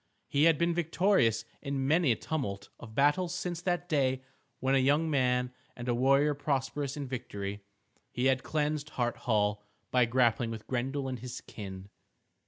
He had been victorious in many a tumult of battle since that day when a young man and a warrior prosperous in victory, he had cleansed Hart Hall by grappling with Grendel and his kin.